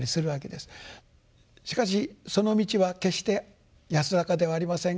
しかしその道は決して安らかではありません。